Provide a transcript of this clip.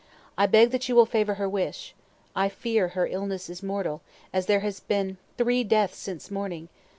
I beg that you will favor her wish. I fear her illness is mortal, as there has been three deaths since morning.